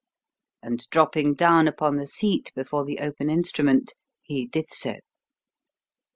'" and, dropping down upon the seat before the open instrument, he did so.